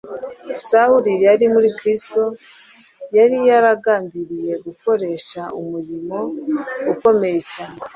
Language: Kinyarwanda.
Sawuli yari uwo Kristo yari yaragambiriye gukoresha umurimo ukomeye cyane,